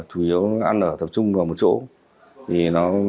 họ tập trung vào một chỗ